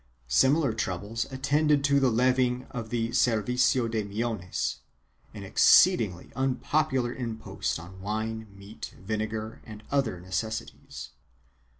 2 Similar troubles attended the levying of the servicio de millones, an exceedingly unpopular impost on wine, meat, vinegar and other necessaries.